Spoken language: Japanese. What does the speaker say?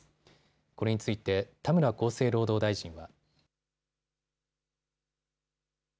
これについて田村厚生労働大臣は。